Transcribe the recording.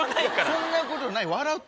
そんなことない笑う。